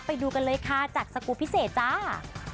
ไปดูกันเลยค่ะจากสกูลพิเศษจ้า